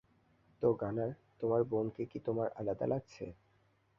তো, গানার, তোমার বোনকে কি তোমার আলাদা লাগছে?